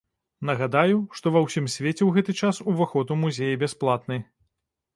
Нагадаю, што ва ўсім свеце ў гэты час уваход у музеі бясплатны.